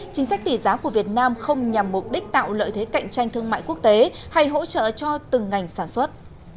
chính sách tỷ giá của việt nam không nhằm mục đích tạo lợi thế cạnh tranh thương mại quốc tế hay hỗ trợ cho từng ngành sản xuất